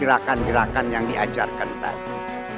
gerakan gerakan yang diajarkan tadi